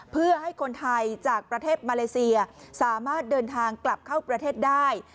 เพื่อให้คนไทยจากประเทศมาเลเซียสามารถเดินทางกลับเข้าประเทศได้